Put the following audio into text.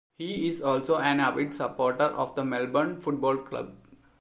He is also an avid supporter of the Melbourne Football Club.